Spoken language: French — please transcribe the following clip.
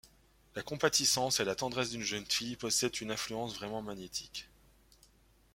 La compatissance et la tendresse d’une jeune fille possèdent une influence vraiment magnétique.